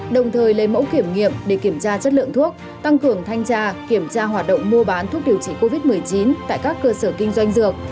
đồng thời lấy mẫu kiểm nghiệm để kiểm tra chất lượng thuốc tăng cường thanh tra kiểm tra hoạt động mua bán thuốc điều trị covid một mươi chín tại các cơ sở kinh doanh dược